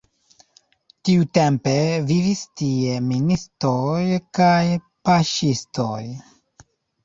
Tiutempe vivis tie ministoj kaj paŝtistoj.